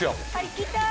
行きたい